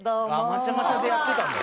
「まちゃまちゃ」でやってたんだ。